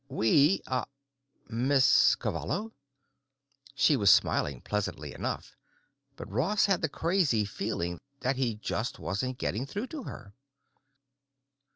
We—uh, Miss Cavallo?" She was smiling pleasantly enough, but Ross had the crazy feeling that he just wasn't getting through to her.